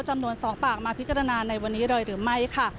จำนวน๒ปากมาพิจารณาในวันนี้เลยหรือไม่ค่ะ